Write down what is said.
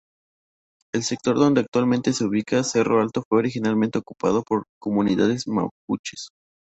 El sector donde actualmente se ubica Cerro Alto fue originalmente ocupado por comunidades mapuches.